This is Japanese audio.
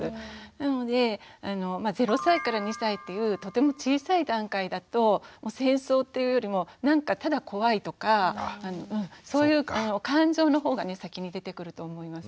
なので０歳２歳というとても小さい段階だともう戦争っていうよりもなんかただ怖いとかそういう感情のほうがね先に出てくると思います。